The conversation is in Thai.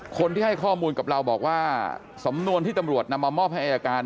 คนที่ให้ข้อมูลกับเราบอกว่าสำนวนที่ตำรวจนำมามอบให้อายการ